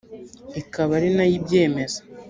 ikaba ari na yo ibyemeza